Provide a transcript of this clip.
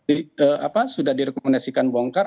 itu sudah direkomendasikan bongkar